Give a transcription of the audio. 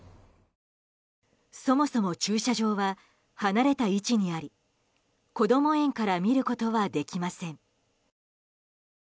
そもそも駐車場は離れた位置にありこども園から見ることはできません。